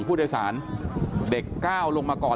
ผู้โดยสารเด็กก้าวลงมาก่อน